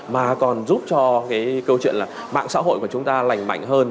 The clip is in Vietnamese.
mà còn giúp cho mạng xã hội của chúng ta lành mạnh hơn